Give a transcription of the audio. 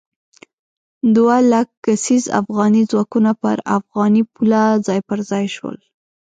دوه لک کسیز افغاني ځواکونه پر افغاني پوله ځای پر ځای شول.